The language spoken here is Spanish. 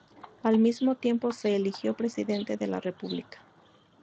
Al mismo tiempo, se eligió Presidente de la República.